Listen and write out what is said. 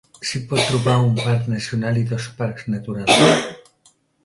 S'hi pot trobar un parc nacional, i dos parcs naturals.